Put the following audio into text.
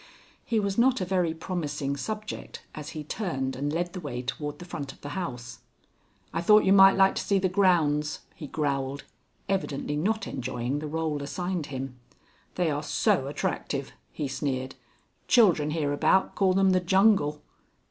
He was not a very promising subject as he turned and led the way toward the front of the house. "I thought you might like to see the grounds," he growled, evidently not enjoying the rôle assigned him. "They are so attractive," he sneered. "Children hereabout call them the jungle."